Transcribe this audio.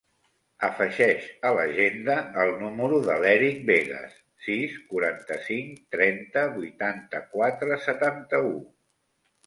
Afegeix a l'agenda el número de l'Èric Vegas: sis, quaranta-cinc, trenta, vuitanta-quatre, setanta-u.